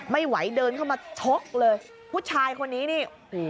ไม่ไหวเดินเข้ามาชกเลยผู้ชายคนนี้นี่